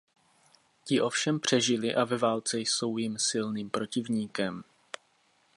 Ti ovšem přežili a ve válce jsou jim silným protivníkem.